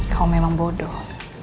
kamu memang bodoh